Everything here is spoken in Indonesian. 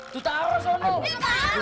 tuh taruh sono